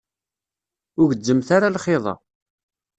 Ur gezzmet ara lxiḍ-a.